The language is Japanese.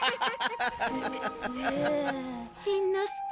しんのすけ。